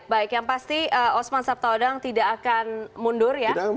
baik yang pasti osman sabtaodang tidak akan mundur ya